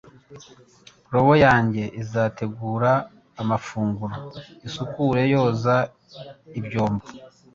Robo yanjye izategura amafunguro isukure yoza ibyombo